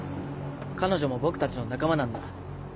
彼女も僕たちの仲間なんだ。